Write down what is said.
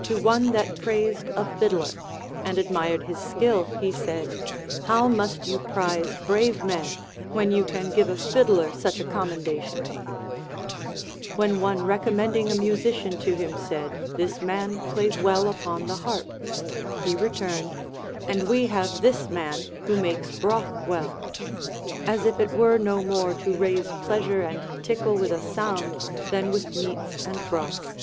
To one that praised a fiddler and admired his skill he said, How must you prize brave men, when you can give a fiddler such a commendation ! AVhen one recommending a musician to him said. This man plays well upon the harp, he returned, And we have this man who makes broth well ;— as if it were no more to raise pleasure and tickle with a sound than with meats and broths.